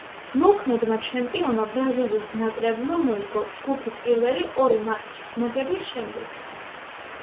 მოქმედმა ჩემპიონმა ბრაზილიის ნაკრებმა მოიგო ჯგუფი პირველი ორი მატჩის მოგების შემდეგ.